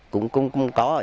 cũng có nhiều trường hợp